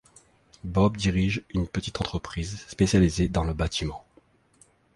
Bob dirige une petite entreprise spécialisée dans le bâtiment.